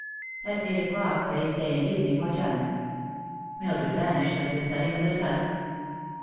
At eight o'clock Fay's day and evening were done. Mildred vanished like the setting of the sun.